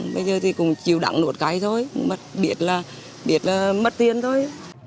bây giờ thì cũng chiều đẳng nụt cái thôi biết là mất tiền thôi